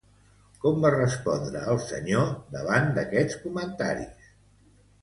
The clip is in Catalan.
Com va respondre el senyor davant d'aquests comentaris?